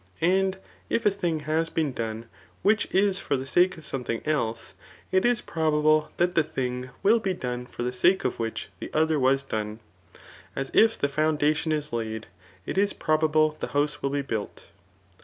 And if a thing has been done which is for the sake of something else, it is probable that the thing will be done for the sake of which the other was done; as if the foundation is laid, it is pro bable the house ixdll be built.